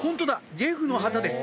ジェフの旗です